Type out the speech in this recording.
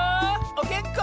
おげんこ？